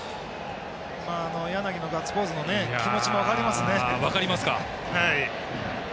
柳のガッツポーズの気持ちも分かりますね。